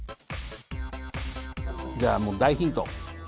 じゃあもう大ヒント。